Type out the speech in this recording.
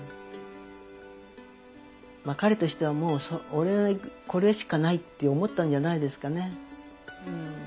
彼としてはもう俺はこれしかないって思ったんじゃないですかね。